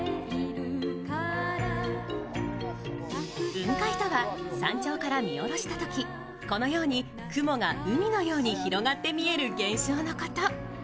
雲海とは、山頂から見下ろしたときこのように雲が海のように広がって見える現象のこと。